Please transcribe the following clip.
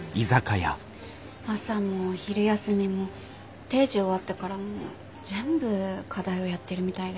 朝も昼休みも定時終わってからも全部課題をやってるみたいで。